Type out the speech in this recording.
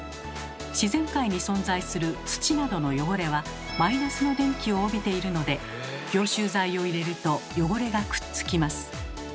自然界に存在する土などの汚れは−の電気を帯びているので凝集剤を入れると汚れがくっつきます。